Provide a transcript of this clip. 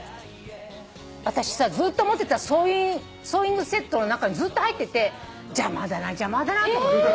私さずっと持ってたソーイングセットの中にずっと入ってて邪魔だな邪魔だなと思って。